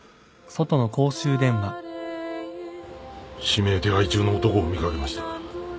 指名手配中の男を見掛けました。